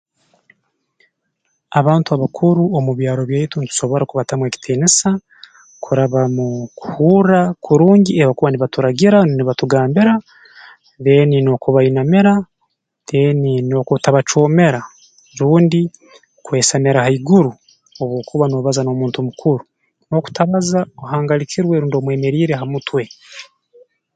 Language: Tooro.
Abantu abakuru omu byaro byaitu ntusobora kubatamu ekitiinisa kuraba mu kuhurra kurungi ebi bakuba nibaturagira rundi nibatugambira then n'okubainamira then n'okutabacoomera rundi kwesamira haiguru obu okuba noobaza n'omuntu mukuru n'okutabaza ohangalikirwe rundi omwemeriire ha mutwe